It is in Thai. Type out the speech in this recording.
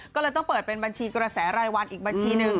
ก็เลยต้องเปิดเป็นบัญชีกระแสรายวันอีกบัญชีหนึ่ง